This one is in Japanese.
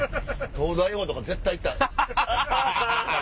『東大王』とか絶対行ったらアカン。